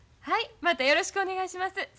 はいまたよろしくお願いします。